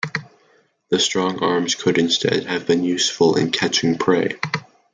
The strong arms could instead have been useful in catching prey.